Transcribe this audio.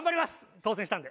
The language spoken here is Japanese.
当選したんで。